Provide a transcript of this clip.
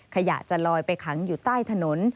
ขยะจะลอยไปขังอยู่ใต้ถนน